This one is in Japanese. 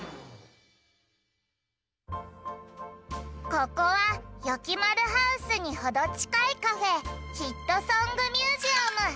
ここはよきまるハウスにほどちかいカフェ「ヒットソング・ミュージアム」。